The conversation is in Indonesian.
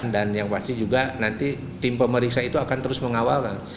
dan yang pasti juga nanti tim pemeriksa itu akan terus mengawalkan